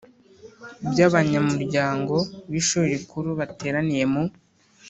by abanyamuryango b Ishuri Rikuru bateraniye mu